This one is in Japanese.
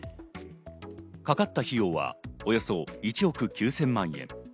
かかった費用はおよそ１億９０００万円。